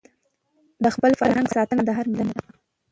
د خپل فرهنګ ساتنه د هر ملت دنده ده.